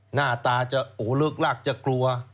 หน้าตาจะหลึกลักจะกลัว